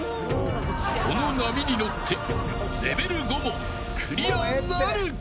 この波に乗ってレベル５もクリアなるか。